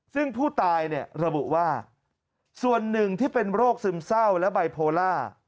ซึ่งผู้ตายระบุว่าส่วนนึงที่เป็นโรคซึมเศร้าและบริโภลา